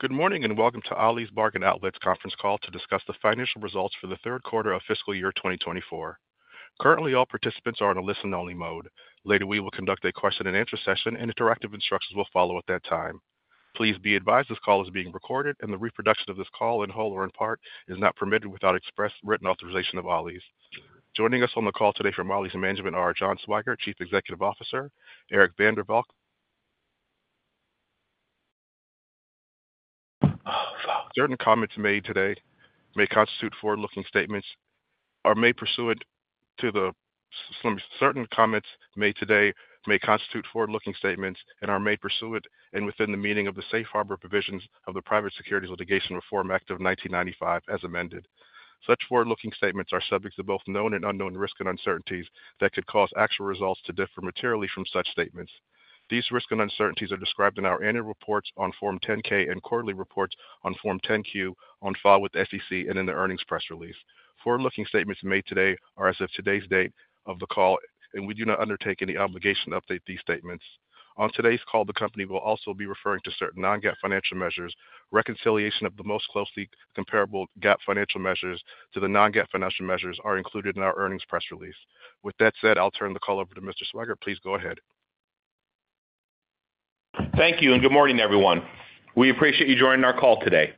Good morning and welcome to Ollie's Bargain Outlet's conference call to discuss the financial results for the third quarter of fiscal year 2024. Currently, all participants are in a listen-only mode. Later, we will conduct a question-and-answer session, and interactive instructions will follow at that time. Please be advised this call is being recorded, and the reproduction of this call, in whole or in part, is not permitted without express written authorization of Ollie's. Joining us on the call today from Ollie's Management are John Swygert, Chief Executive Officer, Eric van der Valk. Oh, wow. Certain comments made today may constitute forward-looking statements and are pursuant to the safe harbor provisions of the Private Securities Litigation Reform Act of 1995, as amended. Such forward-looking statements are subject to both known and unknown risks and uncertainties that could cause actual results to differ materially from such statements. These risks and uncertainties are described in our annual reports on Form 10-K and quarterly reports on Form 10-Q on file with the SEC and in the earnings press release. Forward-looking statements made today are as of today's date of the call, and we do not undertake any obligation to update these statements. On today's call, the company will also be referring to certain non-GAAP financial measures. Reconciliation of the most closely comparable GAAP financial measures to the non-GAAP financial measures is included in our earnings press release. With that said, I'll turn the call over to Mr. Swygert. Please go ahead. Thank you and good morning, everyone. We appreciate you joining our call today.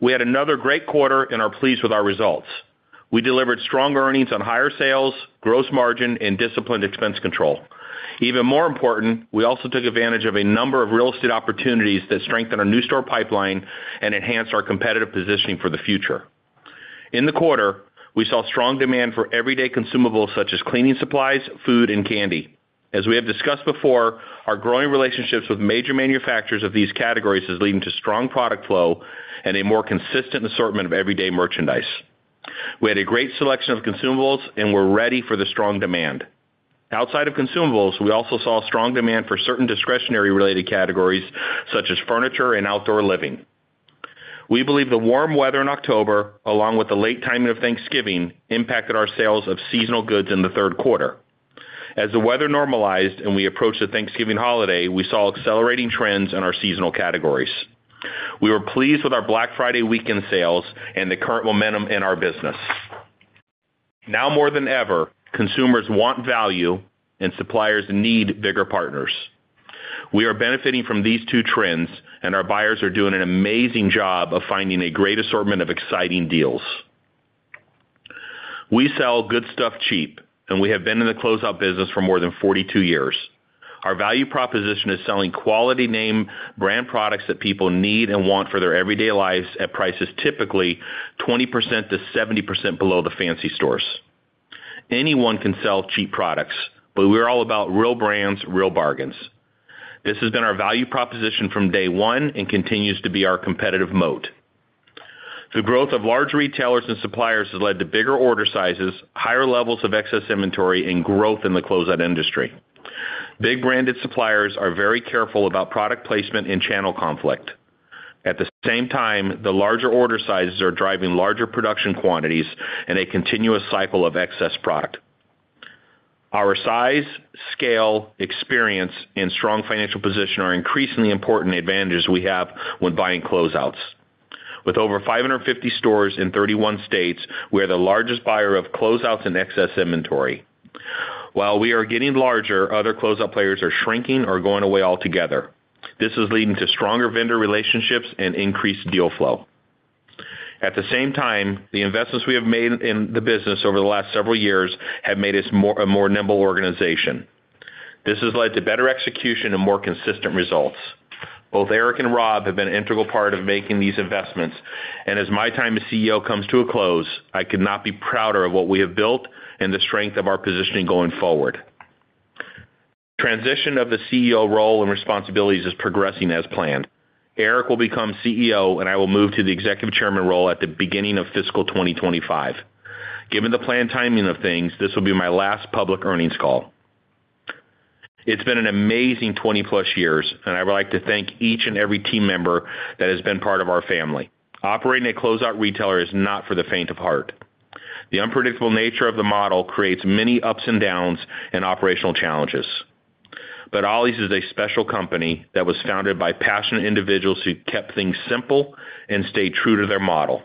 We had another great quarter and are pleased with our results. We delivered strong earnings on higher sales, gross margin, and disciplined expense control. Even more important, we also took advantage of a number of real estate opportunities that strengthen our new store pipeline and enhance our competitive positioning for the future. In the quarter, we saw strong demand for everyday consumables such as cleaning supplies, food, and candy. As we have discussed before, our growing relationships with major manufacturers of these categories is leading to strong product flow and a more consistent assortment of everyday merchandise. We had a great selection of consumables and were ready for the strong demand. Outside of consumables, we also saw strong demand for certain discretionary-related categories such as furniture and outdoor living. We believe the warm weather in October, along with the late timing of Thanksgiving, impacted our sales of seasonal goods in the third quarter. As the weather normalized and we approached the Thanksgiving holiday, we saw accelerating trends in our seasonal categories. We were pleased with our Black Friday weekend sales and the current momentum in our business. Now more than ever, consumers want value, and suppliers need bigger partners. We are benefiting from these two trends, and our buyers are doing an amazing job of finding a great assortment of exciting deals. We sell good stuff cheap, and we have been in the closeout business for more than 42 years. Our value proposition is selling quality name brand products that people need and want for their everyday lives at prices typically 20%-70% below the fancy stores. Anyone can sell cheap products, but we're all about real brands, real bargains. This has been our value proposition from day one and continues to be our competitive moat. The growth of large retailers and suppliers has led to bigger order sizes, higher levels of excess inventory, and growth in the closeout industry. Big branded suppliers are very careful about product placement and channel conflict. At the same time, the larger order sizes are driving larger production quantities and a continuous cycle of excess product. Our size, scale, experience, and strong financial position are increasingly important advantages we have when buying closeouts. With over 550 stores in 31 states, we are the largest buyer of closeouts and excess inventory. While we are getting larger, other closeout players are shrinking or going away altogether. This is leading to stronger vendor relationships and increased deal flow. At the same time, the investments we have made in the business over the last several years have made us a more nimble organization. This has led to better execution and more consistent results. Both Eric and Rob have been an integral part of making these investments, and as my time as CEO comes to a close, I could not be prouder of what we have built and the strength of our positioning going forward. The transition of the CEO role and responsibilities is progressing as planned. Eric will become CEO, and I will move to the Executive Chairman role at the beginning of fiscal 2025. Given the planned timing of things, this will be my last public earnings call. It's been an amazing 20-plus years, and I would like to thank each and every team member that has been part of our family. Operating a closeout retailer is not for the faint of heart. The unpredictable nature of the model creates many ups and downs and operational challenges. But Ollie's is a special company that was founded by passionate individuals who kept things simple and stayed true to their model.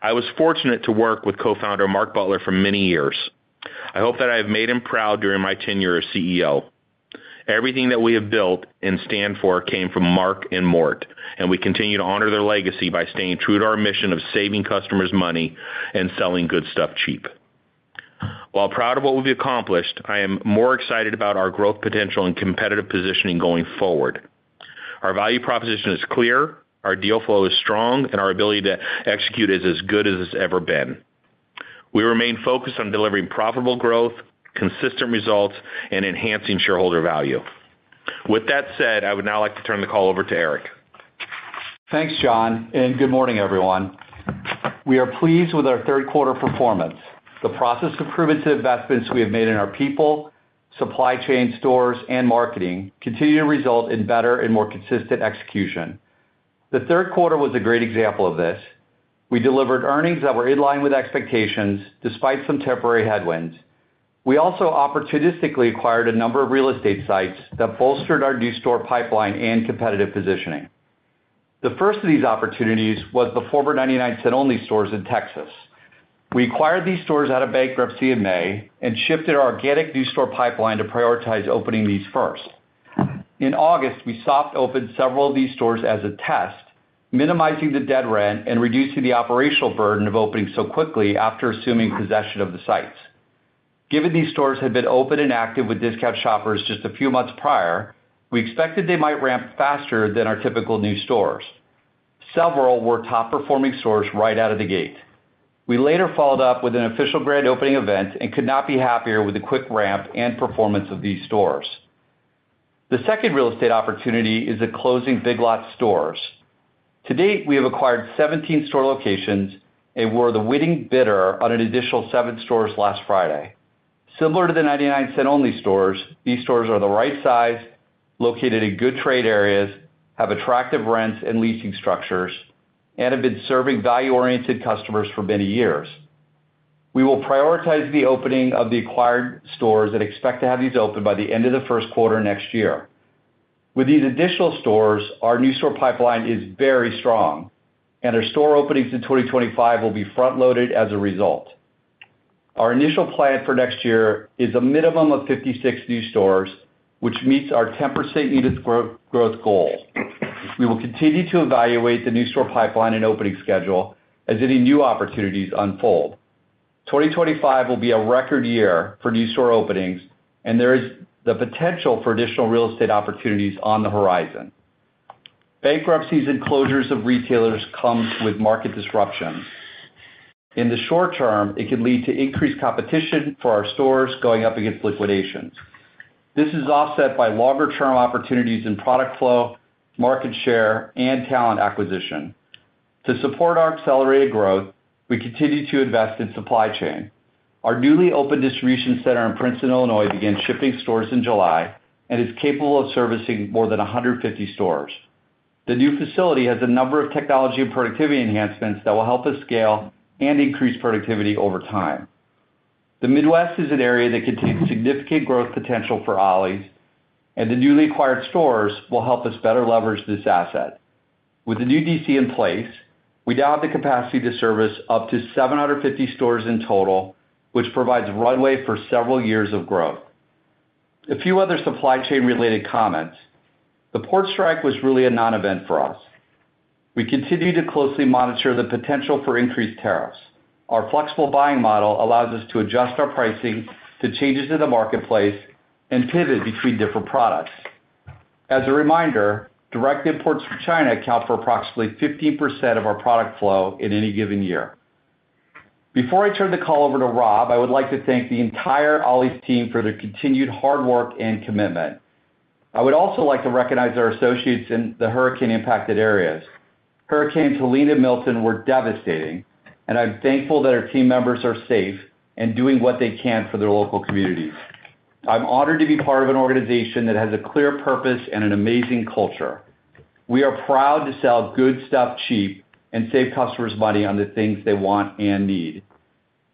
I was fortunate to work with co-founder Mark Butler for many years. I hope that I have made him proud during my tenure as CEO. Everything that we have built and stand for came from Mark and Mort, and we continue to honor their legacy by staying true to our mission of saving customers money and selling good stuff cheap. While proud of what we've accomplished, I am more excited about our growth potential and competitive positioning going forward. Our value proposition is clear, our deal flow is strong, and our ability to execute is as good as it's ever been. We remain focused on delivering profitable growth, consistent results, and enhancing shareholder value. With that said, I would now like to turn the call over to Eric. Thanks, John, and good morning, everyone. We are pleased with our third quarter performance. The process of proven investments we have made in our people, supply chain, stores, and marketing continue to result in better and more consistent execution. The third quarter was a great example of this. We delivered earnings that were in line with expectations despite some temporary headwinds. We also opportunistically acquired a number of real estate sites that bolstered our new store pipeline and competitive positioning. The first of these opportunities was the former 99 Cents Only Stores in Texas. We acquired these stores out of bankruptcy in May and shifted our organic new store pipeline to prioritize opening these first. In August, we soft opened several of these stores as a test, minimizing the dead rent and reducing the operational burden of opening so quickly after assuming possession of the sites. Given these stores had been open and active with discount shoppers just a few months prior, we expected they might ramp faster than our typical new stores. Several were top-performing stores right out of the gate. We later followed up with an official grand opening event and could not be happier with the quick ramp and performance of these stores. The second real estate opportunity is the closing Big Lots stores. To date, we have acquired 17 store locations and were the winning bidder on an additional seven stores last Friday. Similar to the 99 Cents Only Stores, these stores are the right size, located in good trade areas, have attractive rents and leasing structures, and have been serving value-oriented customers for many years. We will prioritize the opening of the acquired stores and expect to have these open by the end of the first quarter next year. With these additional stores, our new store pipeline is very strong, and our store openings in 2025 will be front-loaded as a result. Our initial plan for next year is a minimum of 56 new stores, which meets our 10% unit growth goal. We will continue to evaluate the new store pipeline and opening schedule as any new opportunities unfold. 2025 will be a record year for new store openings, and there is the potential for additional real estate opportunities on the horizon. Bankruptcies and closures of retailers come with market disruptions. In the short term, it can lead to increased competition for our stores going up against liquidations. This is offset by longer-term opportunities in product flow, market share, and talent acquisition. To support our accelerated growth, we continue to invest in supply chain. Our newly opened distribution center in Princeton, Illinois, began shipping stores in July and is capable of servicing more than 150 stores. The new facility has a number of technology and productivity enhancements that will help us scale and increase productivity over time. The Midwest is an area that contains significant growth potential for Ollie's, and the newly acquired stores will help us better leverage this asset. With the new DC in place, we now have the capacity to service up to 750 stores in total, which provides runway for several years of growth. A few other supply chain-related comments: the port strike was really a non-event for us. We continue to closely monitor the potential for increased tariffs. Our flexible buying model allows us to adjust our pricing to changes in the marketplace and pivot between different products. As a reminder, direct imports from China account for approximately 15% of our product flow in any given year. Before I turn the call over to Rob, I would like to thank the entire Ollie's team for their continued hard work and commitment. I would also like to recognize our associates in the hurricane-impacted areas. Hurricane Helene was devastating, and I'm thankful that our team members are safe and doing what they can for their local communities. I'm honored to be part of an organization that has a clear purpose and an amazing culture. We are proud to sell good stuff cheap and save customers money on the things they want and need.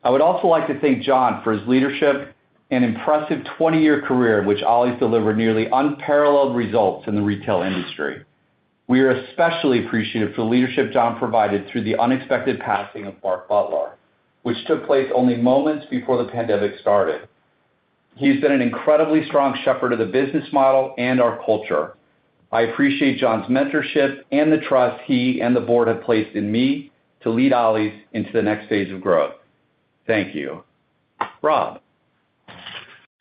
I would also like to thank John for his leadership and impressive 20-year career, which Ollie's delivered nearly unparalleled results in the retail industry. We are especially appreciative for the leadership John provided through the unexpected passing of Mark Butler, which took place only moments before the pandemic started. He has been an incredibly strong shepherd of the business model and our culture. I appreciate John's mentorship and the trust he and the board have placed in me to lead Ollie's into the next phase of growth. Thank you. Rob.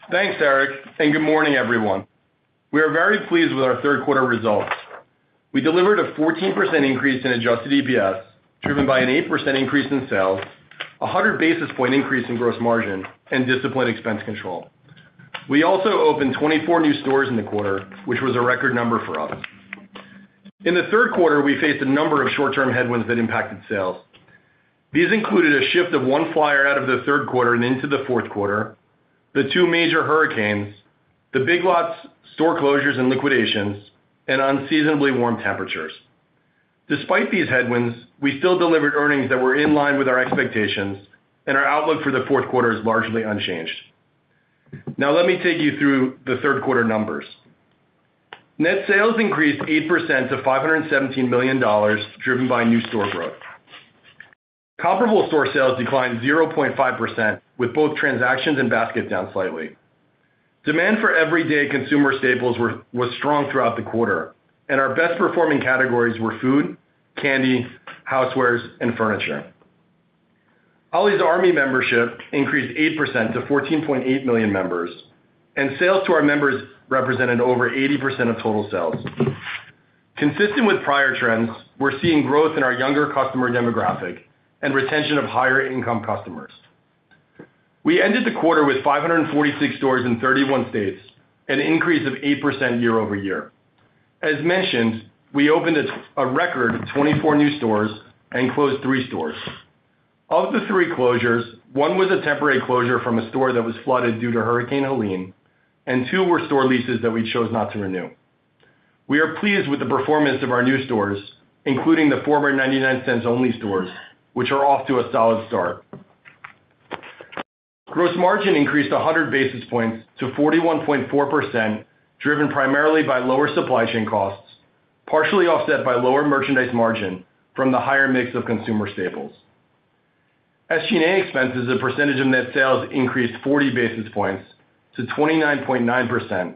Thanks, Eric, and good morning, everyone. We are very pleased with our third quarter results. We delivered a 14% increase in adjusted EPS driven by an 8% increase in sales, a 100 basis point increase in gross margin, and disciplined expense control. We also opened 24 new stores in the quarter, which was a record number for us. In the third quarter, we faced a number of short-term headwinds that impacted sales. These included a shift of one flyer out of the third quarter and into the fourth quarter, the two major hurricanes, the Big Lots store closures and liquidations, and unseasonably warm temperatures. Despite these headwinds, we still delivered earnings that were in line with our expectations, and our outlook for the fourth quarter is largely unchanged. Now, let me take you through the third quarter numbers. Net sales increased 8% to $517 million driven by new store growth. Comparable store sales declined 0.5%, with both transactions and baskets down slightly. Demand for everyday consumer staples was strong throughout the quarter, and our best-performing categories were food, candy, housewares, and furniture. Ollie's Army membership increased 8% to 14.8 million members, and sales to our members represented over 80% of total sales. Consistent with prior trends, we're seeing growth in our younger customer demographic and retention of higher-income customers. We ended the quarter with 546 stores in 31 states, an increase of 8% year over year. As mentioned, we opened a record of 24 new stores and closed three stores. Of the three closures, one was a temporary closure from a store that was flooded due to Hurricane Helene, and two were store leases that we chose not to renew. We are pleased with the performance of our new stores, including the former 99 Cents Only Stores, which are off to a solid start. Gross margin increased 100 basis points to 41.4%, driven primarily by lower supply chain costs, partially offset by lower merchandise margin from the higher mix of consumer staples. SG&A expenses, a percentage of net sales, increased 40 basis points to 29.9%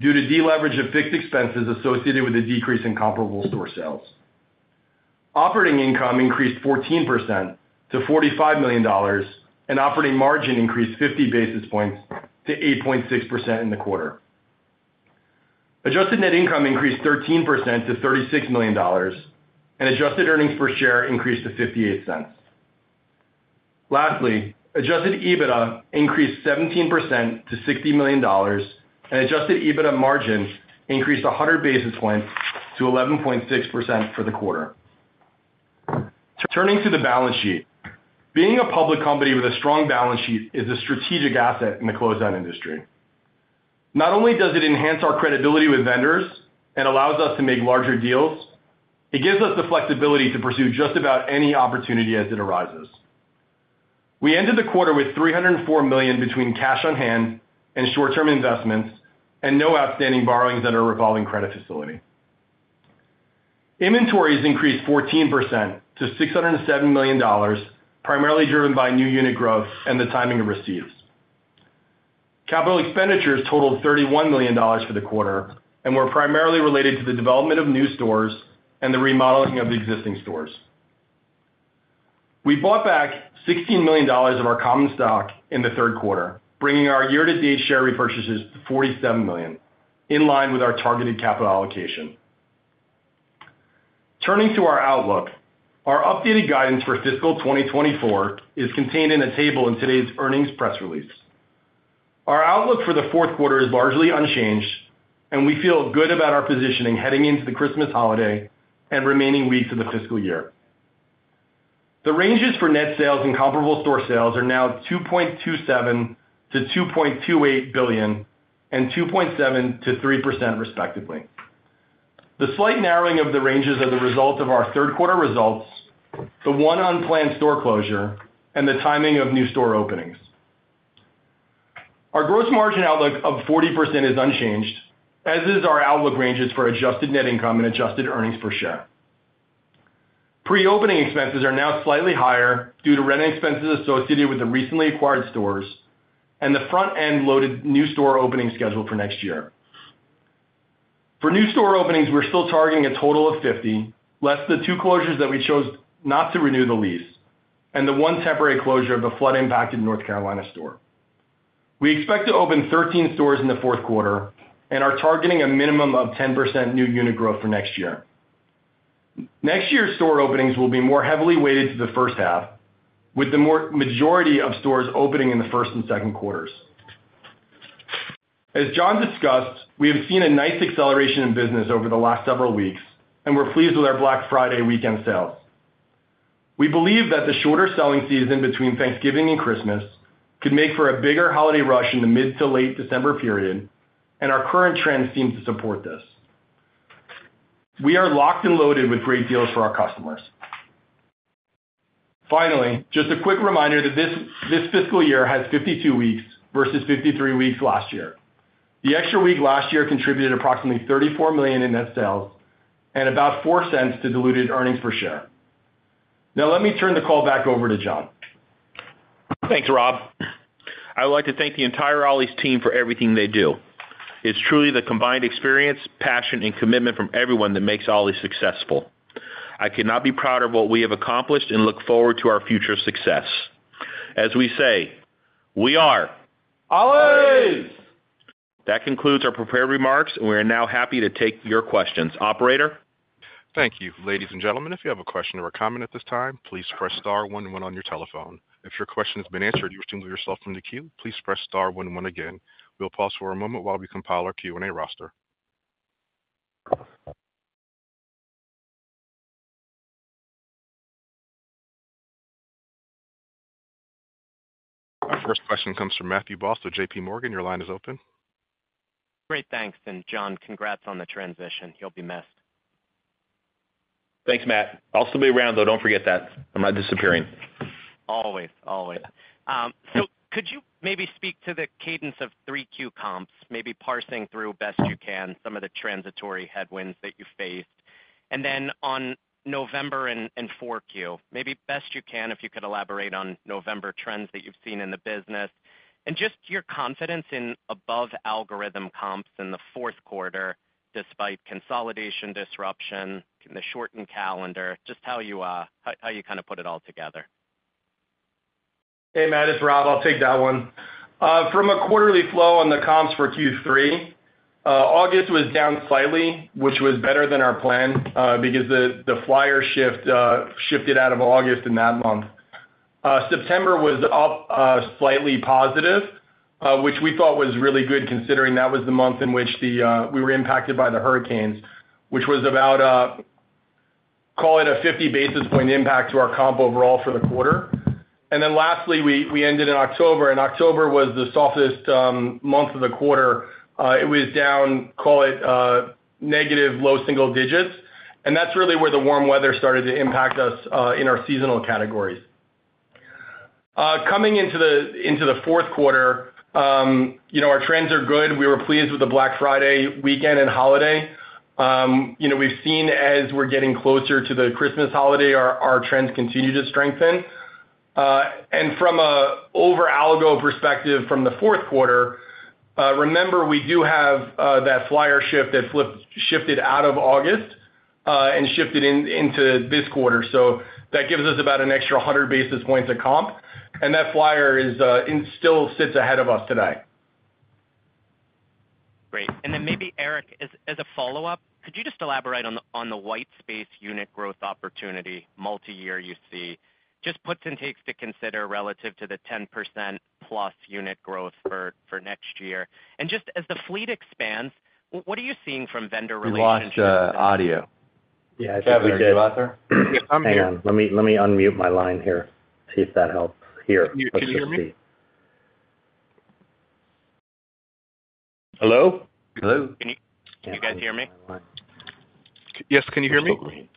due to deleverage of fixed expenses associated with a decrease in comparable store sales. Operating income increased 14% to $45 million, and operating margin increased 50 basis points to 8.6% in the quarter. Adjusted net income increased 13% to $36 million, and adjusted earnings per share increased to $0.58. Lastly, adjusted EBITDA increased 17% to $60 million, and adjusted EBITDA margin increased 100 basis points to 11.6% for the quarter. Turning to the balance sheet, being a public company with a strong balance sheet is a strategic asset in the closeout industry. Not only does it enhance our credibility with vendors and allows us to make larger deals, it gives us the flexibility to pursue just about any opportunity as it arises. We ended the quarter with $304 million between cash on hand and short-term investments and no outstanding borrowings at our revolving credit facility. Inventories increased 14% to $607 million, primarily driven by new unit growth and the timing of receipts. Capital expenditures totaled $31 million for the quarter and were primarily related to the development of new stores and the remodeling of existing stores. We bought back $16 million of our common stock in the third quarter, bringing our year-to-date share repurchases to $47 million, in line with our targeted capital allocation. Turning to our outlook, our updated guidance for fiscal 2024 is contained in a table in today's earnings press release. Our outlook for the fourth quarter is largely unchanged, and we feel good about our positioning heading into the Christmas holiday and remaining weeks of the fiscal year. The ranges for net sales and comparable store sales are now $2.27-$2.28 billion and 2.7%-3%, respectively. The slight narrowing of the ranges is a result of our third quarter results, the one unplanned store closure, and the timing of new store openings. Our gross margin outlook of 40% is unchanged, as is our outlook ranges for adjusted net income and adjusted earnings per share. Pre-opening expenses are now slightly higher due to rent expenses associated with the recently acquired stores and the front-end loaded new store opening schedule for next year. For new store openings, we're still targeting a total of 50, less the two closures that we chose not to renew the lease and the one temporary closure of the flood-impacted North Carolina store. We expect to open 13 stores in the fourth quarter and are targeting a minimum of 10% new unit growth for next year. Next year's store openings will be more heavily weighted to the first half, with the majority of stores opening in the first and second quarters. As John discussed, we have seen a nice acceleration in business over the last several weeks, and we're pleased with our Black Friday weekend sales. We believe that the shorter selling season between Thanksgiving and Christmas could make for a bigger holiday rush in the mid to late December period, and our current trends seem to support this. We are locked and loaded with great deals for our customers. Finally, just a quick reminder that this fiscal year has 52 weeks versus 53 weeks last year. The extra week last year contributed approximately $34 million in net sales and about $0.04 to diluted earnings per share. Now, let me turn the call back over to John. Thanks, Rob. I would like to thank the entire Ollie's team for everything they do. It's truly the combined experience, passion, and commitment from everyone that makes Ollie's successful. I am so proud of what we have accomplished and look forward to our future success. As we say, we are. Ollie's. That concludes our prepared remarks, and we are now happy to take your questions. Operator. Thank you. Ladies and gentlemen, if you have a question or a comment at this time, please press star one and one on your telephone. If your question has been answered, to remove yourself from the queue, please press star one and one again. We'll pause for a moment while we compile our Q&A roster. Our first question comes from Matthew Boss with J.P. Morgan. Your line is open. Great. Thanks. And John, congrats on the transition. You'll be missed. Thanks, Matt. I'll still be around, though. Don't forget that. I'm not disappearing. Always, always. So could you maybe speak to the cadence of three Q comps, maybe parsing through best you can, some of the transitory headwinds that you faced, and then on November and four Q, maybe best you can, if you could elaborate on November trends that you've seen in the business and just your confidence in above algorithm comps in the fourth quarter, despite consolidation disruption, the shortened calendar, just how you kind of put it all together. Hey, Matt. It's Rob. I'll take that one. From a quarterly flow on the comps for Q3, August was down slightly, which was better than our plan because the flyer shift shifted out of August in that month. September was up slightly positive, which we thought was really good considering that was the month in which we were impacted by the hurricanes, which was about, call it a 50 basis point impact to our comp overall for the quarter. And then lastly, we ended in October, and October was the softest month of the quarter. It was down, call it negative low single digits. And that's really where the warm weather started to impact us in our seasonal categories. Coming into the fourth quarter, our trends are good. We were pleased with the Black Friday weekend and holiday. We've seen, as we're getting closer to the Christmas holiday, our trends continue to strengthen, and from an algo perspective from the fourth quarter, remember, we do have that flyer shift that shifted out of August and shifted into this quarter, so that gives us about an extra 100 basis points of comp, and that flyer still sits ahead of us today. Great. And then maybe, Eric, as a follow-up, could you just elaborate on the white space unit growth opportunity multi-year you see? Just puts and takes to consider relative to the 10% plus unit growth for next year. And just as the fleet expands, what are you seeing from vendor relationship? Watch audio. Yeah. Have a good day. Hang on. Let me unmute my line here. See if that helps here. Can you hear me? Hello? Hello. Can you guys hear me? Yes. Can you hear me?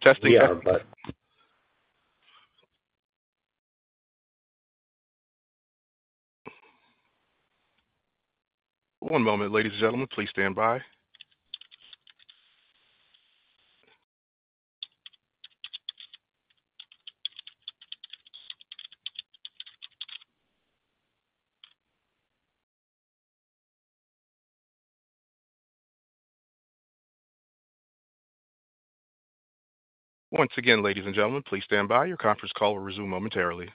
Testing, yeah, but. One moment, ladies and gentlemen. Please stand by. Once again, ladies and gentlemen, please stand by. Your conference call will resume momentarily.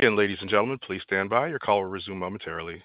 Again, ladies and gentlemen, please stand by. Your call will resume momentarily.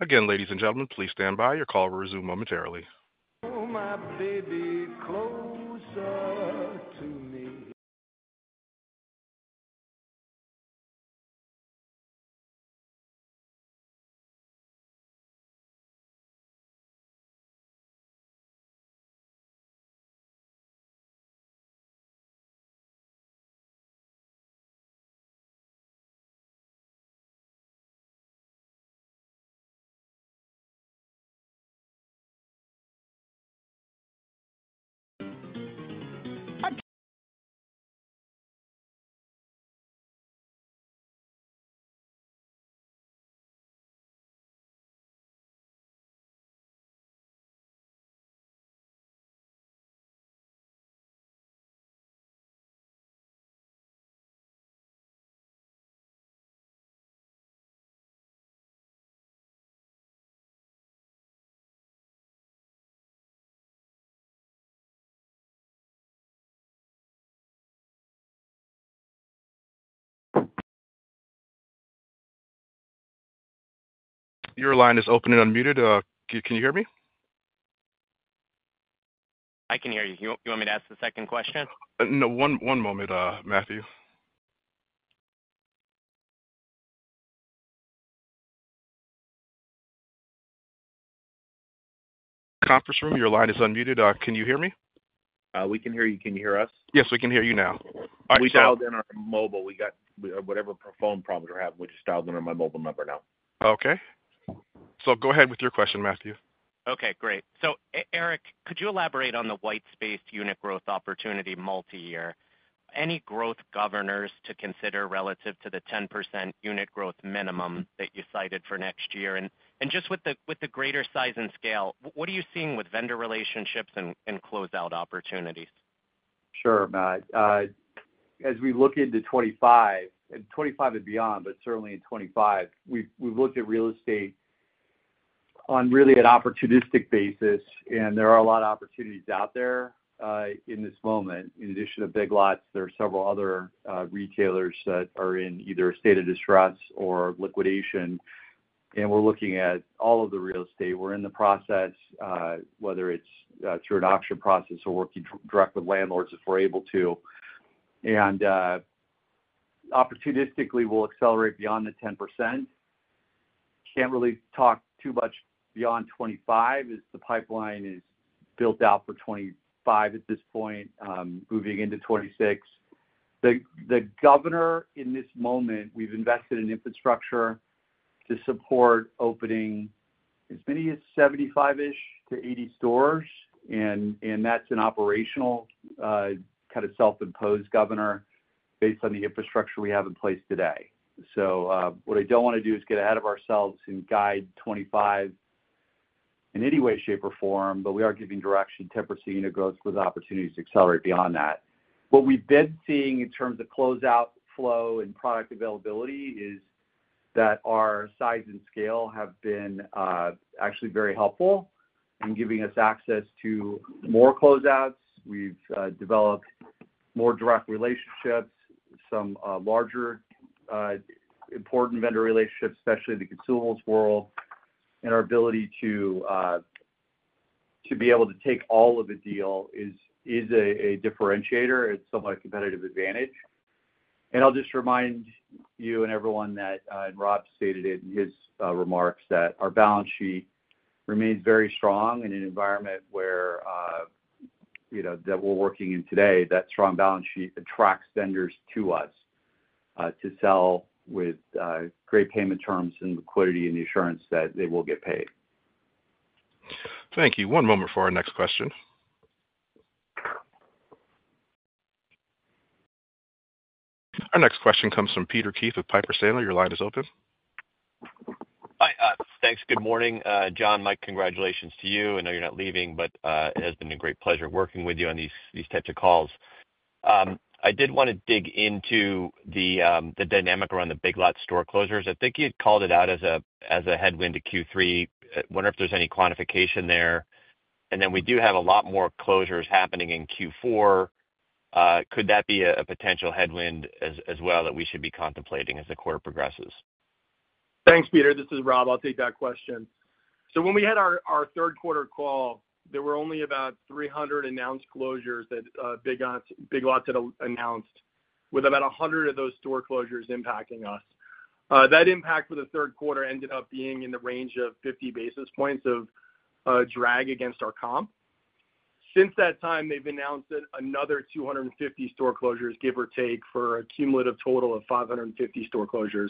Again, ladies and gentlemen, please stand by. Your call will resume momentarily. Pull my baby closer to me. Your line is open and unmuted. Can you hear me? I can hear you. You want me to ask the second question? One moment, Matthew. Conference room, your line is unmuted. Can you hear me? We can hear you. Can you hear us? Yes, we can hear you now. We dialed in our mobile. We got whatever phone problems we're having, which is dialed in on my mobile number now. Okay. So go ahead with your question, Matthew. Okay. Great. So Eric, could you elaborate on the white space unit growth opportunity multi-year? Any growth governors to consider relative to the 10% unit growth minimum that you cited for next year? And just with the greater size and scale, what are you seeing with vendor relationships and closeout opportunities? Sure, Matt. As we look into 2025, and 2025 and beyond, but certainly in 2025, we've looked at real estate on really an opportunistic basis, and there are a lot of opportunities out there in this moment. In addition to Big Lots, there are several other retailers that are in either a state of distress or liquidation. And we're looking at all of the real estate. We're in the process, whether it's through an auction process or working directly with landlords if we're able to. And opportunistically, we'll accelerate beyond the 10%. Can't really talk too much beyond 2025 as the pipeline is built out for 2025 at this point, moving into 2026. The governor in this moment, we've invested in infrastructure to support opening as many as 75-ish to 80 stores, and that's an operational kind of self-imposed governor based on the infrastructure we have in place today. So what I don't want to do is get ahead of ourselves and guide '25 in any way, shape, or form, but we are giving direction to proceeding to growth with opportunities to accelerate beyond that. What we've been seeing in terms of closeout flow and product availability is that our size and scale have been actually very helpful in giving us access to more closeouts. We've developed more direct relationships, some larger important vendor relationships, especially the consumables world, and our ability to be able to take all of the deal is a differentiator. It's somewhat a competitive advantage. And I'll just remind you and everyone that, and Rob stated it in his remarks, that our balance sheet remains very strong in an environment that we're working in today. That strong balance sheet attracts vendors to us to sell with great payment terms and liquidity and the assurance that they will get paid. Thank you. One moment for our next question. Our next question comes from Peter Keith with Piper Sandler. Your line is open. Hi. Thanks. Good morning, John. My, congratulations to you. I know you're not leaving, but it has been a great pleasure working with you on these types of calls. I did want to dig into the dynamic around the Big Lots store closures. I think you'd called it out as a headwind to Q3. I wonder if there's any quantification there. And then we do have a lot more closures happening in Q4. Could that be a potential headwind as well that we should be contemplating as the quarter progresses? Thanks, Peter. This is Rob. I'll take that question. So when we had our third quarter call, there were only about 300 announced closures that Big Lots had announced, with about 100 of those store closures impacting us. That impact for the third quarter ended up being in the range of 50 basis points of drag against our comp. Since that time, they've announced another 250 store closures, give or take, for a cumulative total of 550 store closures.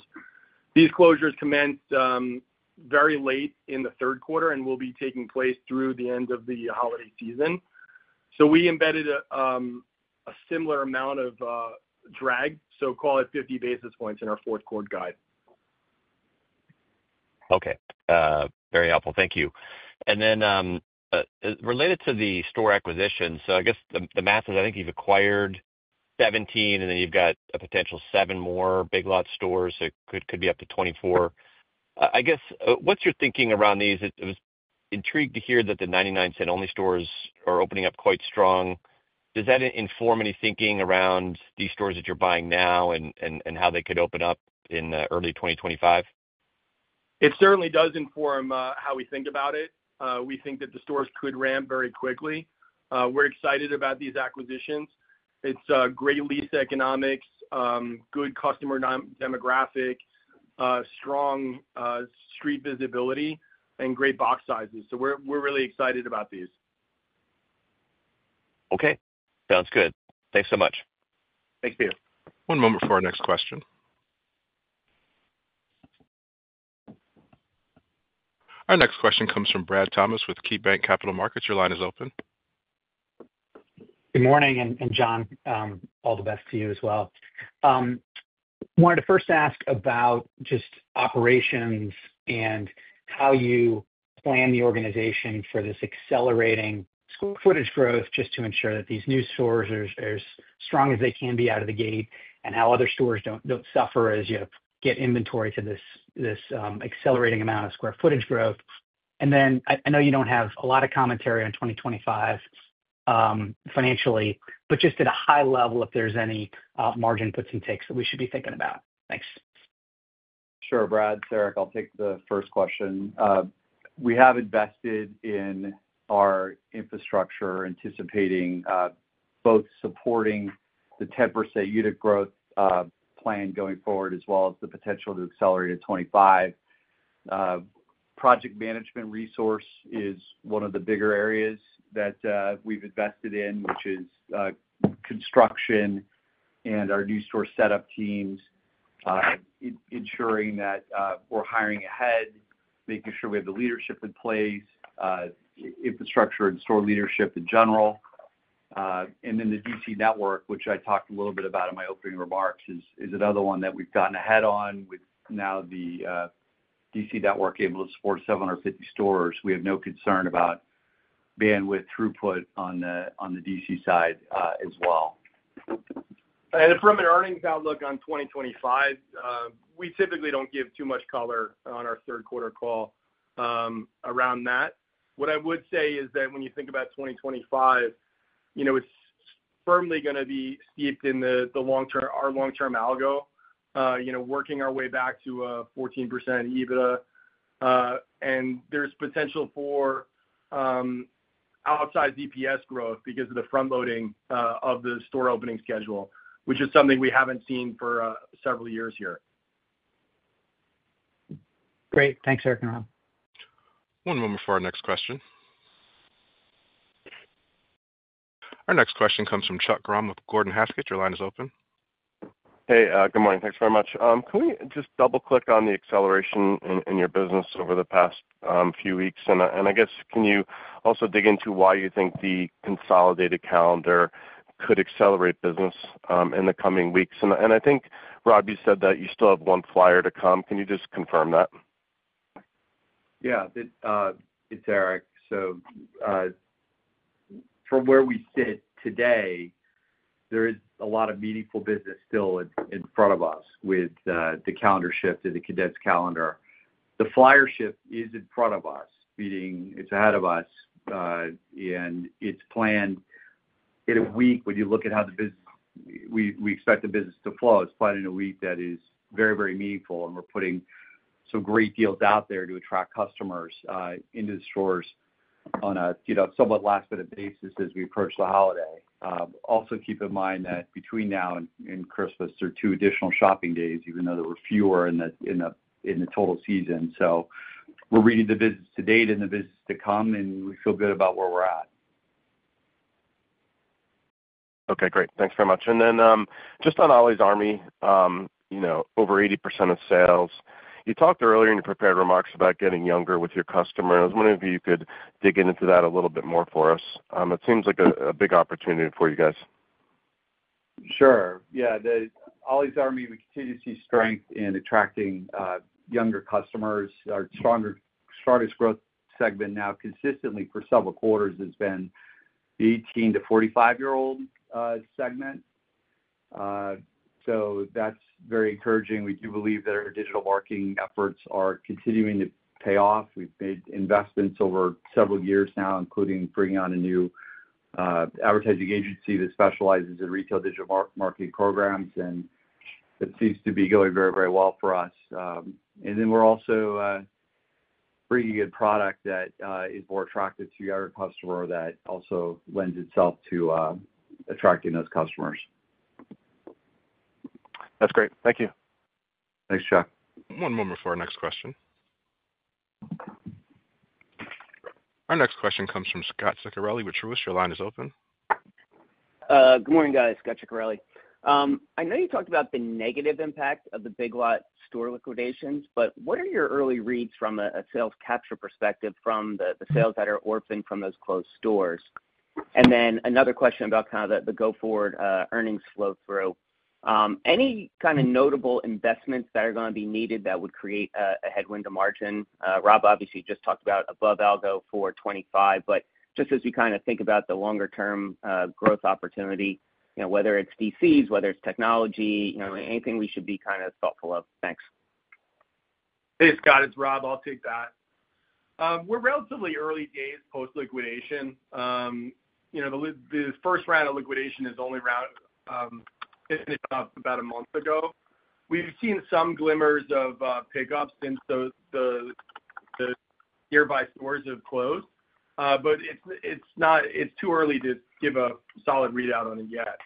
These closures commenced very late in the third quarter and will be taking place through the end of the holiday season. So we embedded a similar amount of drag, so call it 50 basis points in our fourth quarter guide. Okay. Very helpful. Thank you. And then related to the store acquisition, so I guess the math is I think you've acquired 17, and then you've got a potential 7 more Big Lots stores, so it could be up to 24. I guess what's your thinking around these? It was intrigued to hear that the 99 Cents Only Stores are opening up quite strong. Does that inform any thinking around these stores that you're buying now and how they could open up in early 2025? It certainly does inform how we think about it. We think that the stores could ramp very quickly. We're excited about these acquisitions. It's great lease economics, good customer demographic, strong street visibility, and great box sizes, so we're really excited about these. Okay. Sounds good. Thanks so much. Thanks, Peter. One moment for our next question. Our next question comes from Brad Thomas with KeyBanc Capital Markets. Your line is open. Good morning, and John, all the best to you as well. Wanted to first ask about just operations and how you plan the organization for this accelerating square footage growth just to ensure that these new stores are as strong as they can be out of the gate and how other stores don't suffer as you get inventory to this accelerating amount of square footage growth, and then I know you don't have a lot of commentary on 2025 financially, but just at a high level, if there's any margin puts and takes that we should be thinking about. Thanks. Sure. Brad, Eric, I'll take the first question. We have invested in our infrastructure, anticipating both supporting the 10% unit growth plan going forward as well as the potential to accelerate at 25%. Project management resource is one of the bigger areas that we've invested in, which is construction and our new store setup teams, ensuring that we're hiring ahead, making sure we have the leadership in place, infrastructure and store leadership in general. And then the DC network, which I talked a little bit about in my opening remarks, is another one that we've gotten ahead on with now the DC network able to support 750 stores. We have no concern about bandwidth throughput on the DC side as well. And from an earnings outlook on 2025, we typically don't give too much color on our third quarter call around that. What I would say is that when you think about 2025, it's firmly going to be steeped in our long-term algo, working our way back to a 14% EBITDA. And there's potential for upside EPS growth because of the front-loading of the store opening schedule, which is something we haven't seen for several years here. Great. Thanks, Eric and Rob. One moment for our next question. Our next question comes from Chuck Grom with Gordon Haskett. Your line is open. Hey, good morning. Thanks very much. Can we just double-click on the acceleration in your business over the past few weeks? And I guess can you also dig into why you think the consolidated calendar could accelerate business in the coming weeks? And I think, Rob, you said that you still have one flyer to come. Can you just confirm that? Yeah. It's Eric. So from where we sit today, there is a lot of meaningful business still in front of us with the calendar shift and the condensed calendar. The flyer shift is in front of us, meaning it's ahead of us, and it's planned in a week. When you look at how we expect the business to flow, it's planned in a week that is very, very meaningful, and we're putting some great deals out there to attract customers into the stores on a somewhat last-minute basis as we approach the holiday. Also keep in mind that between now and Christmas, there are two additional shopping days, even though there were fewer in the total season. So we're reading the business to date and the business to come, and we feel good about where we're at. Okay. Great. Thanks very much. And then just on Ollie's Army, over 80% of sales. You talked earlier in your prepared remarks about getting younger with your customer. I was wondering if you could dig into that a little bit more for us? It seems like a big opportunity for you guys. Sure. Yeah. Ollie's Army, we continue to see strength in attracting younger customers. Our strongest growth segment now consistently for several quarters has been the 18 to 45-year-old segment. So that's very encouraging. We do believe that our digital marketing efforts are continuing to pay off. We've made investments over several years now, including bringing on a new advertising agency that specializes in retail digital marketing programs, and it seems to be going very, very well for us. And then we're also bringing a product that is more attractive to our customer that also lends itself to attracting those customers. That's great. Thank you. Thanks, Chuck. One moment for our next question. Our next question comes from Scot Ciccarelli with Truist Securities. Your line is open. Good morning, guys. Scot Ciccarelli. I know you talked about the negative impact of the Big Lots store liquidations, but what are your early reads from a sales capture perspective from the sales that are orphaned from those closed stores? And then another question about kind of the go-forward earnings flow through. Any kind of notable investments that are going to be needed that would create a headwind to margin? Rob, obviously, just talked about above algo for 2025, but just as we kind of think about the longer-term growth opportunity, whether it's DCs, whether it's technology, anything we should be kind of thoughtful of. Thanks. Hey, Scot. It's Rob. I'll take that. We're relatively early days post-liquidation. The first round of liquidation is only about a month ago. We've seen some glimmers of pickup since the nearby stores have closed, but it's too early to give a solid readout on it yet.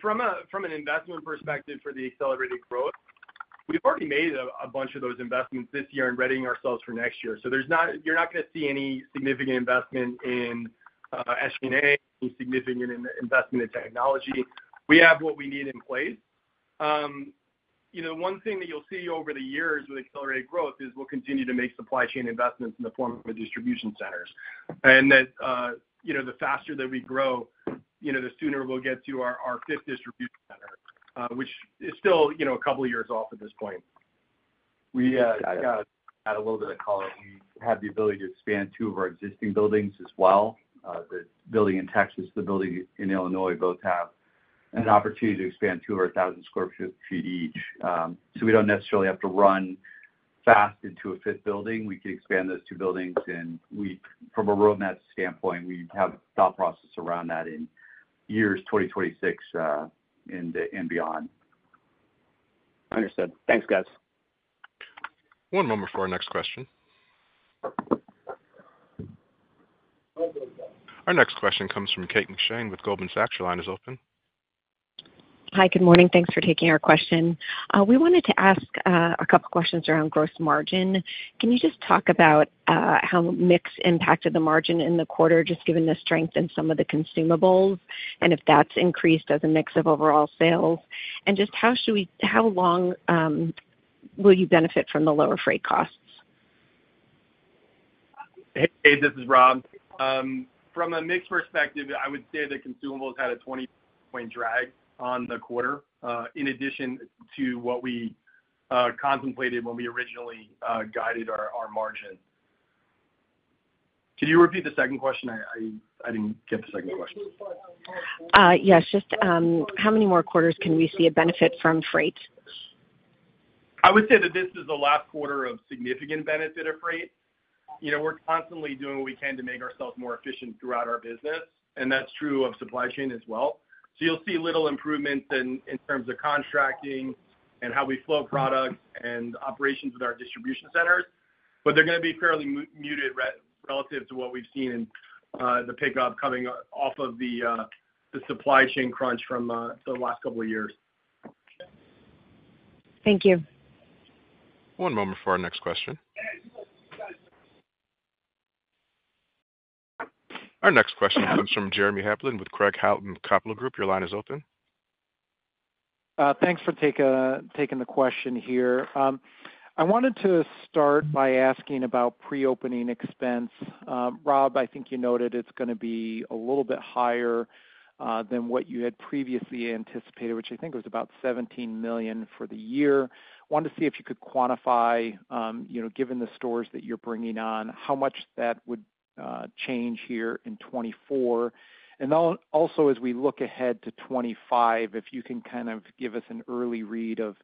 From an investment perspective for the accelerated growth, we've already made a bunch of those investments this year and readying ourselves for next year. So you're not going to see any significant investment in SG&A, any significant investment in technology. We have what we need in place. One thing that you'll see over the years with accelerated growth is we'll continue to make supply chain investments in the form of distribution centers, and the faster that we grow, the sooner we'll get to our fifth distribution center, which is still a couple of years off at this point. We got a little bit of color. We have the ability to expand two of our existing buildings as well. The building in Texas and the building in Illinois both have an opportunity to expand 200,000 sq ft each. So we don't necessarily have to run fast into a fifth building. We could expand those two buildings, and from a roadmap standpoint, we have a thought process around that in years 2026 and beyond. Understood. Thanks, guys. One moment for our next question. Our next question comes from Kate McShane with Goldman Sachs. Your line is open. Hi. Good morning. Thanks for taking our question. We wanted to ask a couple of questions around gross margin. Can you just talk about how mix impacted the margin in the quarter, just given the strength in some of the consumables and if that's increased as a mix of overall sales? And just how long will you benefit from the lower freight costs? Hey, this is Rob. From a mix perspective, I would say the consumables had a 20-point drag on the quarter in addition to what we contemplated when we originally guided our margin. Can you repeat the second question? I didn't get the second question. Yes. Just how many more quarters can we see a benefit from freight? I would say that this is the last quarter of significant benefit of freight. We're constantly doing what we can to make ourselves more efficient throughout our business. And that's true of supply chain as well. So you'll see little improvements in terms of contracting and how we flow products and operations with our distribution centers, but they're going to be fairly muted relative to what we've seen in the pickup coming off of the supply chain crunch from the last couple of years. Thank you. One moment for our next question. Our next question comes from Jeremy Hamblin with Craig-Hallum Capital Group. Your line is open. Thanks for taking the question here. I wanted to start by asking about pre-opening expense. Rob, I think you noted it's going to be a little bit higher than what you had previously anticipated, which I think was about $17 million for the year. I wanted to see if you could quantify, given the stores that you're bringing on, how much that would change here in 2024. And also, as we look ahead to 2025, if you can kind of give us an early read of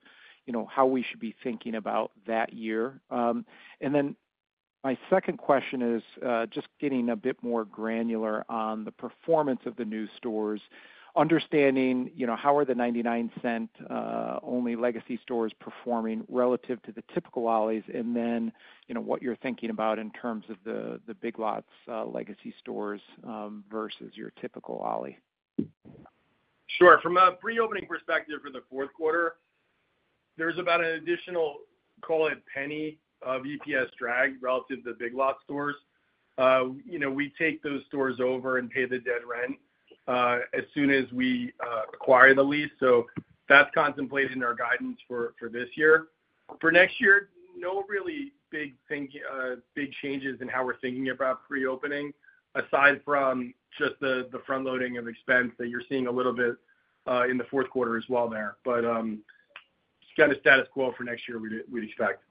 how we should be thinking about that year. And then my second question is just getting a bit more granular on the performance of the new stores, understanding how are the 99 Cents Only legacy stores performing relative to the typical Ollie's, and then what you're thinking about in terms of the Big Lots legacy stores versus your typical Ollie. Sure. From a pre-opening perspective for the fourth quarter, there's about an additional, call it, $0.01 of EPS drag relative to the Big Lots stores. We take those stores over and pay the dead rent as soon as we acquire the lease. So that's contemplated in our guidance for this year. For next year, no really big changes in how we're thinking about pre-opening aside from just the front-loading of expense that you're seeing a little bit in the fourth quarter as well there. But it's kind of status quo for next year we'd expect.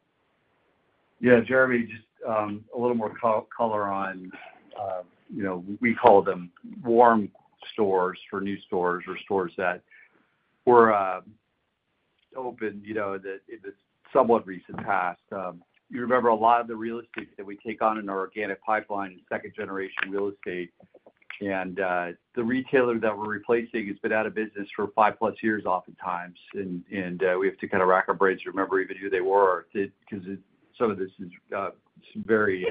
Yeah. Jeremy, just a little more color on, we call them warm stores for new stores or stores that were open in the somewhat recent past. You remember a lot of the real estate that we take on in our organic pipeline is second-generation real estate. The retailer that we're replacing has been out of business for five-plus years oftentimes. We have to kind of rack our brains to remember even who they were because some of this is very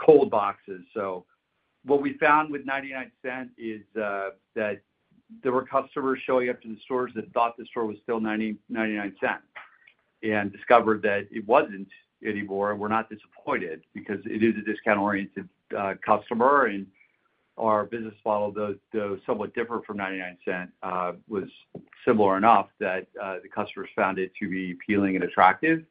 cold boxes. So what we found with 99-cent is that there were customers showing up to the stores that thought the store was still 99-cent and discovered that it wasn't anymore. We're not disappointed because it is a discount-oriented customer. Our business model, though somewhat different from 99-cent, was similar enough that the customers found it to be appealing and attractive.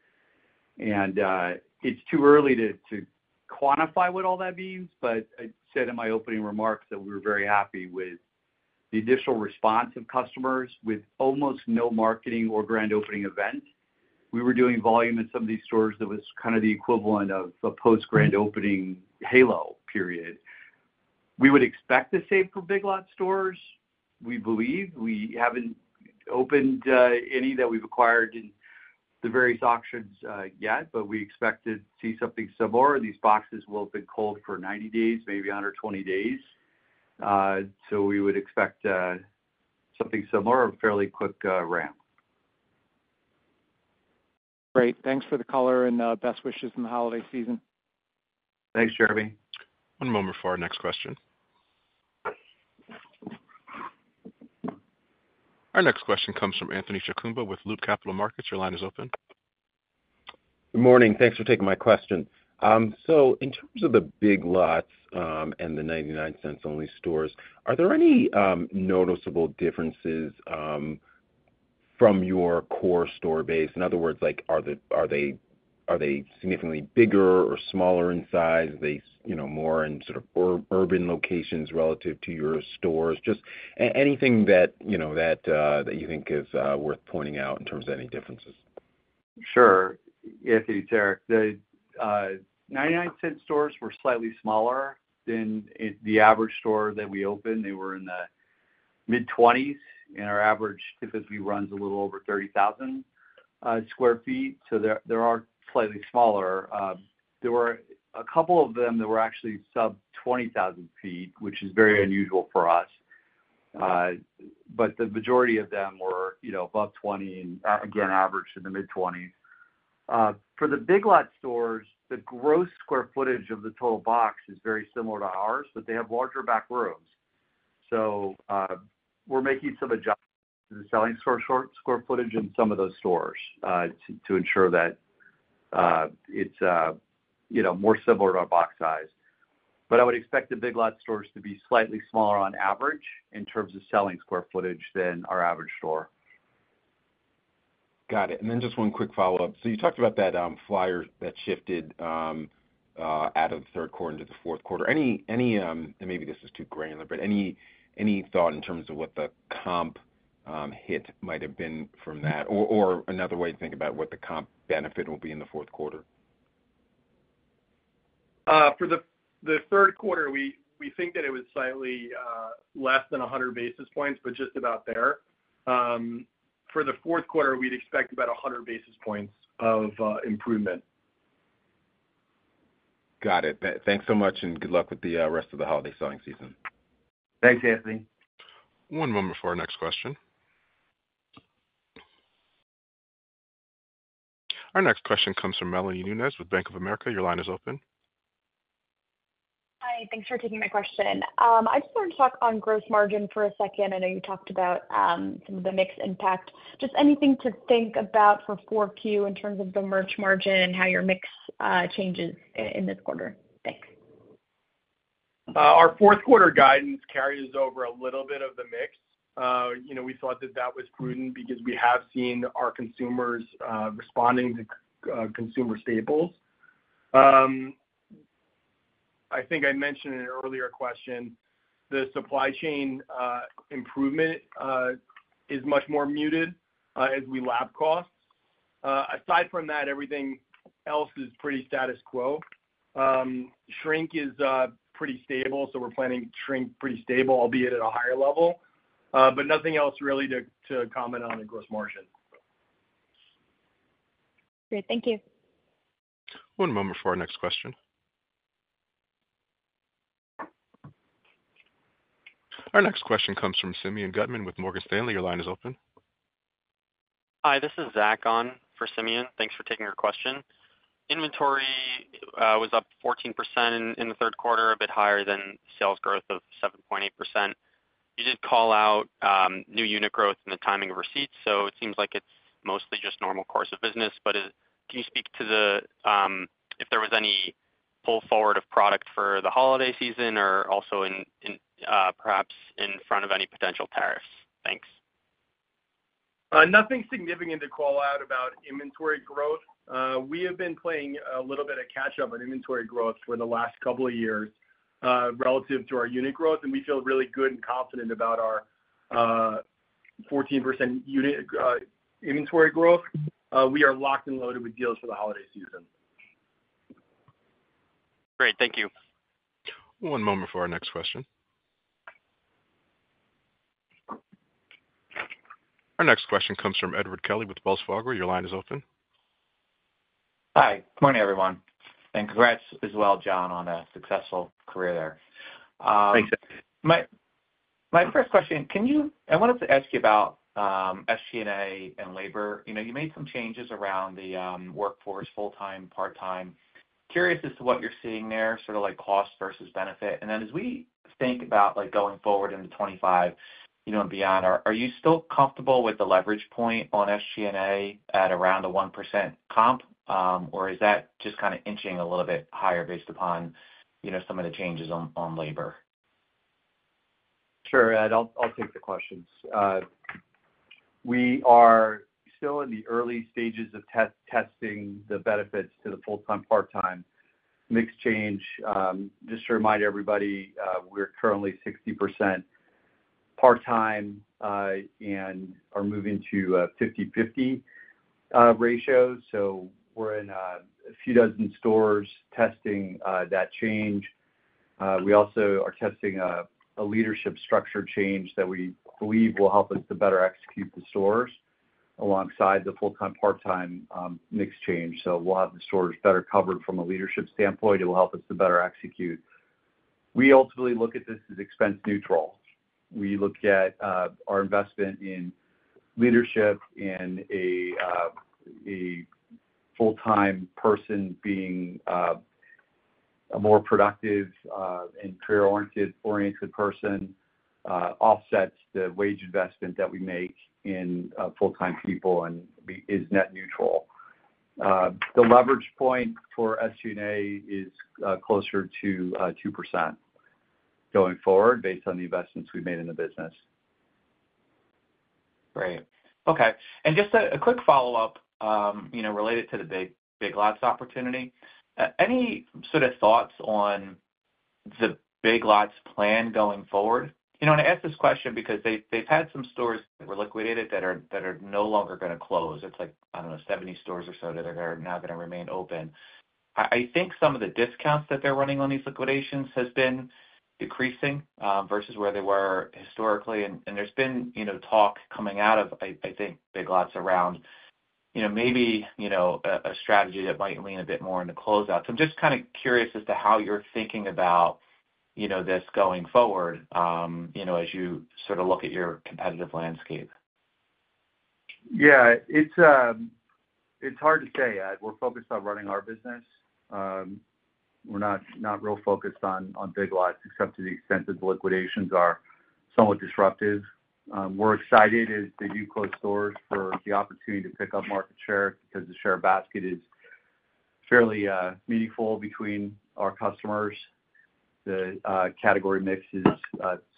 It's too early to quantify what all that means, but I said in my opening remarks that we were very happy with the initial response of customers with almost no marketing or grand opening event. We were doing volume in some of these stores that was kind of the equivalent of a post-grand opening halo period. We would expect to see for Big Lots stores. We believe. We haven't opened any that we've acquired in the various auctions yet, but we expected to see something similar. These stores will have been cold for 90 days, maybe 120 days. So we would expect something similar or a fairly quick ramp. Great. Thanks for the color and best wishes in the holiday season. Thanks, Jeremy. One moment for our next question. Our next question comes from Anthony Chukumba with Loop Capital Markets. Your line is open. Good morning. Thanks for taking my question. So in terms of the Big Lots and the 99 Cents Only Stores, are there any noticeable differences from your core store base? In other words, are they significantly bigger or smaller in size? Are they more in sort of urban locations relative to your stores? Just anything that you think is worth pointing out in terms of any differences. Sure. Anthony, it's Eric. The 99 Cents Only Stores were slightly smaller than the average store that we opened. They were in the mid-20s, and our average typically runs a little over 30,000 sq ft. So they are slightly smaller. There were a couple of them that were actually sub-20,000 sq ft, which is very unusual for us. But the majority of them were above 20 and, again, averaged in the mid-20s. For the Big Lots stores, the gross square footage of the total box is very similar to ours, but they have larger back rooms. So we're making some adjustments to the selling square footage in some of those stores to ensure that it's more similar to our box size. But I would expect the Big Lots stores to be slightly smaller on average in terms of selling square footage than our average store. Got it. And then just one quick follow-up. So you talked about that flyer that shifted out of the third quarter into the fourth quarter. And maybe this is too granular, but any thought in terms of what the comp hit might have been from that or another way to think about what the comp benefit will be in the fourth quarter? For the third quarter, we think that it was slightly less than 100 basis points, but just about there. For the fourth quarter, we'd expect about 100 basis points of improvement. Got it. Thanks so much, and good luck with the rest of the holiday selling season. Thanks, Anthony. One moment for our next question. Our next question comes from Melanie Nunez with Bank of America. Your line is open. Hi. Thanks for taking my question. I just wanted to talk on gross margin for a second. I know you talked about some of the mixed impact. Just anything to think about for 4Q in terms of the merch margin and how your mix changes in this quarter? Thanks. Our fourth quarter guidance carries over a little bit of the mix. We thought that that was prudent because we have seen our consumers responding to consumer staples. I think I mentioned in an earlier question, the supply chain improvement is much more muted as we lap costs. Aside from that, everything else is pretty status quo. Shrink is pretty stable, so we're planning to shrink pretty stable, albeit at a higher level. But nothing else really to comment on in gross margin. Great. Thank you. One moment for our next question. Our next question comes from Simeon Gutman with Morgan Stanley. Your line is open. Hi. This is Zach on for Simeon. Thanks for taking your question. Inventory was up 14% in the third quarter, a bit higher than sales growth of 7.8%. You did call out new unit growth and the timing of receipts. So it seems like it's mostly just normal course of business. But can you speak to if there was any pull forward of product for the holiday season or also perhaps in front of any potential tariffs? Thanks. Nothing significant to call out about inventory growth. We have been playing a little bit of catch-up on inventory growth for the last couple of years relative to our unit growth, and we feel really good and confident about our 14% unit inventory growth. We are locked and loaded with deals for the holiday season. Great. Thank you. One moment for our next question. Our next question comes from Edward Kelly with Wells Fargo. Your line is open. Hi. Good morning, everyone, and congrats as well, John, on a successful career there. Thanks, Ed. My first question, I wanted to ask you about SG&A and labor. You made some changes around the workforce, full-time, part-time. Curious as to what you're seeing there, sort of like cost versus benefit. And then as we think about going forward into 2025 and beyond, are you still comfortable with the leverage point on SG&A at around a 1% comp, or is that just kind of inching a little bit higher based upon some of the changes on labor? Sure. I'll take the questions. We are still in the early stages of testing the benefits to the full-time, part-time mix change. Just to remind everybody, we're currently 60% part-time and are moving to a 50/50 ratio. So we're in a few dozen stores testing that change. We also are testing a leadership structure change that we believe will help us to better execute the stores alongside the full-time, part-time mix change. So we'll have the stores better covered from a leadership standpoint. It will help us to better execute. We ultimately look at this as expense neutral. We look at our investment in leadership and a full-time person being a more productive and career-oriented person offsets the wage investment that we make in full-time people and is net neutral. The leverage point for SG&A is closer to 2% going forward based on the investments we've made in the business. Great. Okay. And just a quick follow-up related to the Big Lots opportunity. Any sort of thoughts on the Big Lots plan going forward? And I ask this question because they've had some stores that were liquidated that are no longer going to close. It's like, I don't know, 70 stores or so that are now going to remain open. I think some of the discounts that they're running on these liquidations have been decreasing versus where they were historically. And there's been talk coming out of, I think, Big Lots around maybe a strategy that might lean a bit more into closeouts. I'm just kind of curious as to how you're thinking about this going forward as you sort of look at your competitive landscape. Yeah. It's hard to say. We're focused on running our business. We're not real focused on Big Lots except to the extent that the liquidations are somewhat disruptive. We're excited as they do close stores for the opportunity to pick up market share because the share basket is fairly meaningful between our customers. The category mix is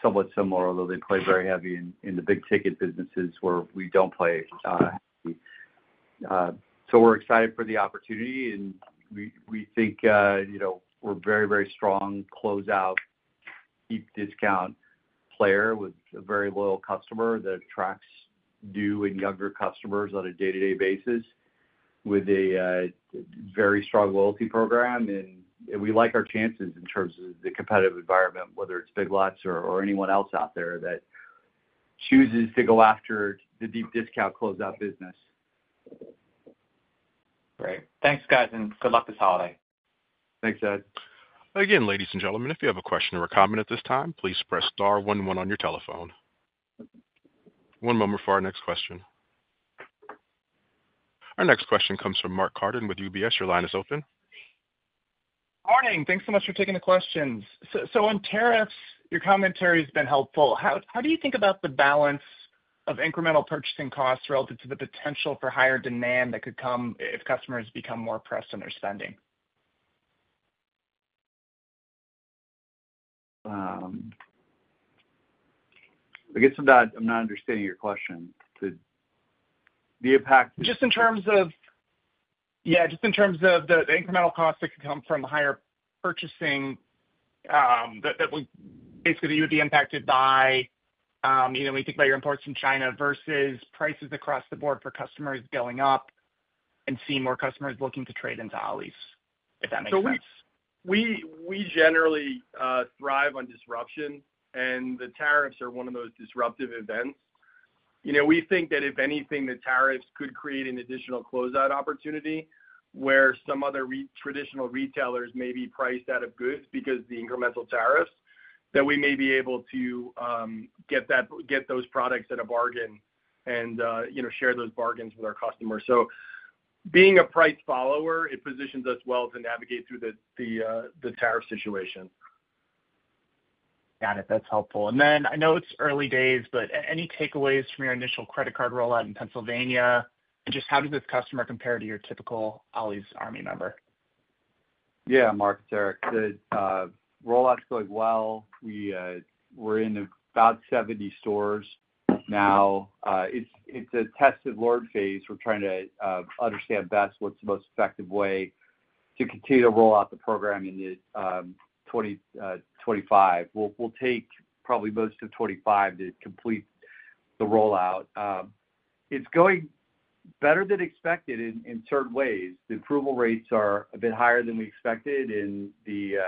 somewhat similar, although they play very heavy in the big-ticket businesses where we don't play heavy. So we're excited for the opportunity. And we think we're a very, very strong closeout, deep discount player with a very loyal customer that attracts new and younger customers on a day-to-day basis with a very strong loyalty program. And we like our chances in terms of the competitive environment, whether it's Big Lots or anyone else out there that chooses to go after the deep discount closeout business. Great. Thanks, guys, and good luck this holiday. Thanks, Ed. Again, ladies and gentlemen, if you have a question or a comment at this time, please press star 11 on your telephone. One moment for our next question. Our next question comes from Mark Carden with UBS. Your line is open. Morning. Thanks so much for taking the questions. So on tariffs, your commentary has been helpful. How do you think about the balance of incremental purchasing costs relative to the potential for higher demand that could come if customers become more pressed on their spending? I guess I'm not understanding your question. The impact. Just in terms of the incremental costs that could come from higher purchasing that basically you would be impacted by when you think about your imports in China versus prices across the board for customers going up and seeing more customers looking to trade into Ollie's, if that makes sense. So we generally thrive on disruption, and the tariffs are one of those disruptive events. We think that if anything, the tariffs could create an additional closeout opportunity where some other traditional retailers may be priced out of goods because of the incremental tariffs, that we may be able to get those products at a bargain and share those bargains with our customers. So being a price follower, it positions us well to navigate through the tariff situation. Got it. That's helpful. And then I know it's early days, but any takeaways from your initial credit card rollout in Pennsylvania? And just how does this customer compare to your typical Ollie's Army member? Yeah, Mark, it's Eric. The rollout's going well. We're in about 70 stores now. It's a test and learn phase. We're trying to understand best what's the most effective way to continue to roll out the program in 2025. We'll take probably most of 2025 to complete the rollout. It's going better than expected in certain ways. The approval rates are a bit higher than we expected, and the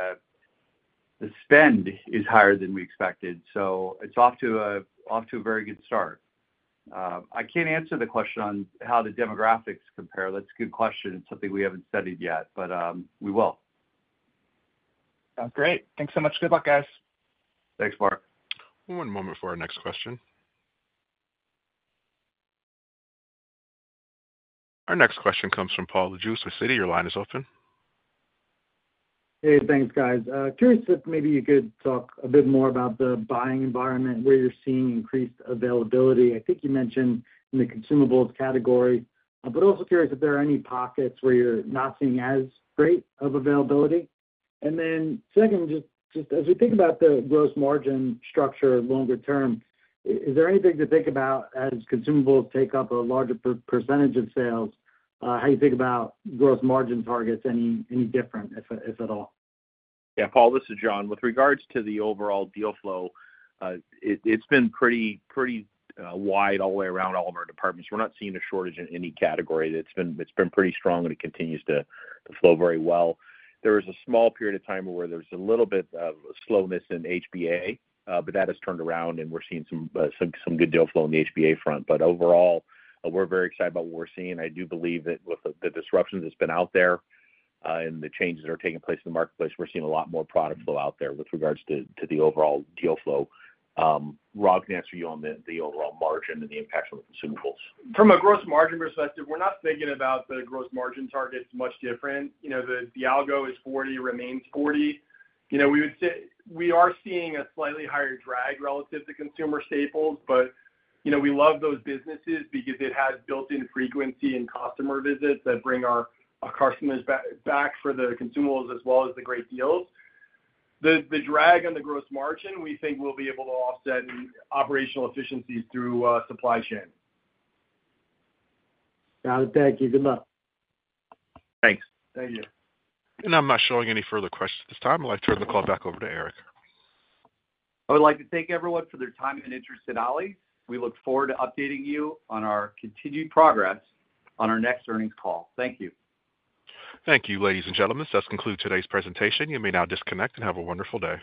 spend is higher than we expected. So it's off to a very good start. I can't answer the question on how the demographics compare. That's a good question. It's something we haven't studied yet, but we will. Sounds great. Thanks so much. Good luck, guys. Thanks, Mark. One moment for our next question. Our next question comes from Paul Lejuez, Citi. Your line is open. Hey, thanks, guys. Curious if maybe you could talk a bit more about the buying environment where you're seeing increased availability. I think you mentioned in the consumables category, but also curious if there are any pockets where you're not seeing as great of availability. And then second, just as we think about the gross margin structure longer term, is there anything to think about as consumables take up a larger percentage of sales? How do you think about gross margin targets? Any different, if at all? Yeah, Paul, this is John. With regards to the overall deal flow, it's been pretty wide all the way around all of our departments. We're not seeing a shortage in any category. It's been pretty strong, and it continues to flow very well. There was a small period of time where there was a little bit of slowness in HBA, but that has turned around, and we're seeing some good deal flow on the HBA front. But overall, we're very excited about what we're seeing. I do believe that with the disruptions that's been out there and the changes that are taking place in the marketplace, we're seeing a lot more product flow out there with regards to the overall deal flow. Rob can answer you on the overall margin and the impact on the consumables. From a gross margin perspective, we're not thinking about the gross margin targets much different. The algo is 40, remains 40. We are seeing a slightly higher drag relative to consumer staples, but we love those businesses because it has built-in frequency and customer visits that bring our customers back for the consumables as well as the great deals. The drag on the gross margin, we think we'll be able to offset operational efficiencies through supply chain. Got it. Thank you. Good luck. Thanks. Thank you. I'm not showing any further questions at this time. I'd like to turn the call back over to Eric. I would like to thank everyone for their time and interest in Ollie's. We look forward to updating you on our continued progress on our next earnings call. Thank you. Thank you, ladies and gentlemen. This does conclude today's presentation. You may now disconnect and have a wonderful day.